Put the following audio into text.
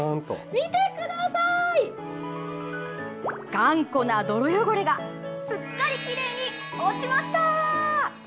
頑固な泥汚れがすっかりきれいに落ちました。